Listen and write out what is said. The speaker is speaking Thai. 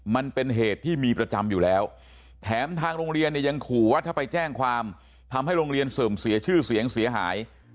มันเป็นเหตุที่มีประจำอยู่แล้วแถมทางโรงเรียนเนี่ยยังขู่ว่าถ้าไปแจ้งความทำให้โรงเรียนเสื่อมเสียชื่อเสียงเสียหาย